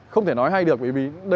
không thể nói hay được vì